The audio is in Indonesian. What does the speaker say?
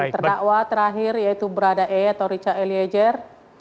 terdakwa terakhir yaitu brada e atau richard eliezer